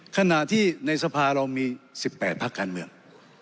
ขณะที่ในสภาเรามี๑๘พักการเมือง